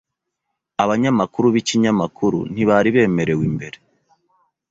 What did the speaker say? Abanyamakuru b'ikinyamakuru ntibari bemerewe imbere.